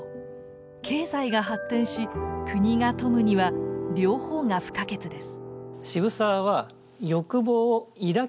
経済が発展し国が富むには両方が不可欠です。